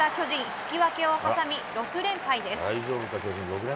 引き分けを挟み６連敗です。